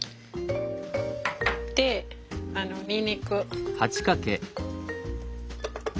でにんにく。